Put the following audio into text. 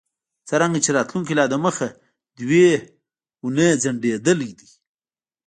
څرنګه چې راتلونکی لا دمخه دوه اونۍ ځنډیدلی دی